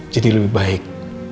jadi lebih baik